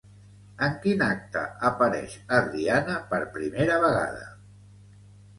En quin acte apareix Adriana per primera vegada?